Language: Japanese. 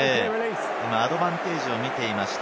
アドバンテージを見ていました。